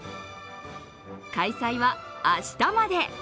開催は明日まで。